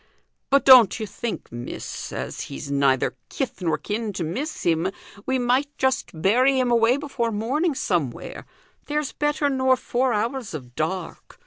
But don't you think, miss, as he's neither kith nor kin to miss him, we might just bury him away before morning, somewhere? There's better nor four hours of dark.